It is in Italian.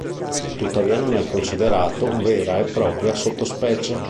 Tuttavia non è considerato vera e propria sottospecie.